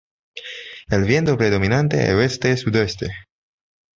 El viento predominante es oeste sudoeste.